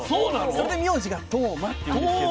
それで名字が當間っていうんですけど。